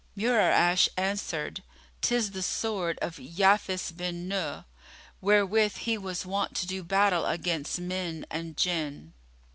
Mura'ash answered, "'Tis the sword of Yafis bin Nuh, wherewith he was wont to do battle against men and Jinn.